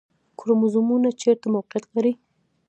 کروموزومونه چیرته موقعیت لري؟